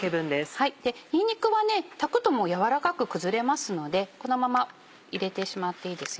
にんにくは炊くと軟らかく崩れますのでこのまま入れてしまっていいです。